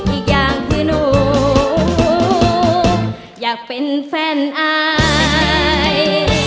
อีกอย่างคือหนูอยากเป็นแฟนอาย